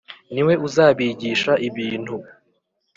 Ni we uzabigisha ibintu.